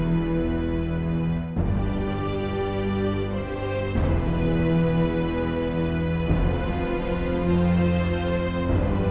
dia berada di luar sana